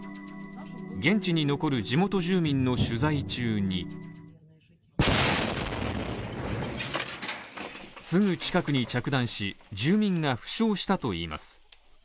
現地に残る地元住民の取材中にすぐ近くに着弾し、住民が負傷したといいます。